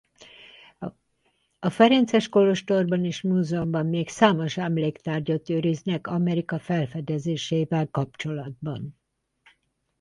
A ferences kolostorban és múzeumban még számos emléktárgyat őriznek Amerika felfedezésével kapcsolatban.